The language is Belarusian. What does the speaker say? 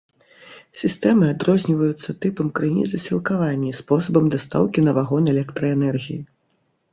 Сістэмы адрозніваюцца тыпам крыніцы сілкавання і спосабам дастаўкі на вагон электраэнергіі.